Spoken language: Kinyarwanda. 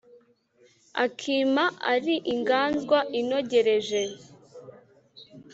Akima ari inganzwa inogereje